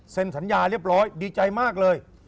สัญญาเรียบร้อยดีใจมากเลย